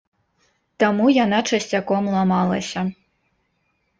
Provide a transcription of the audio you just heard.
Таму яна часцяком ламалася.